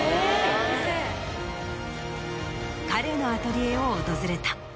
彼のアトリエを訪れた。